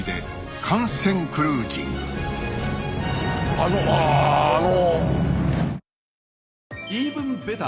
あのああの。